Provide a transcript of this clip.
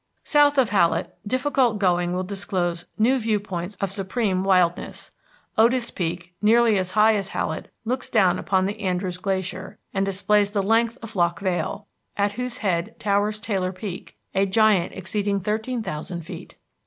South of Hallett difficult going will disclose new viewpoints of supreme wildness. Otis Peak, nearly as high as Hallett, looks down upon the Andrews Glacier, and displays the length of Loch Vale, at whose head towers Taylor Peak, a giant exceeding thirteen thousand feet.